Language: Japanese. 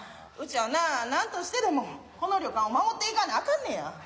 うちはななんとしてでもこの旅館を守っていかなあかんねや。